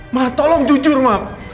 ma tolong jujur ma